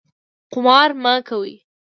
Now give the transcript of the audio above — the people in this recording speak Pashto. قمار مه کوئ